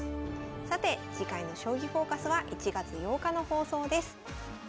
さて次回の「将棋フォーカス」は１月８日の放送です。